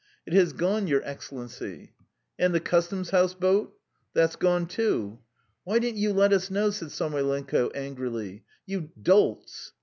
"It has gone, Your Excellency." "And the Customs house boat?" "That's gone, too." "Why didn't you let us know," said Samoylenko angrily. "You dolts!"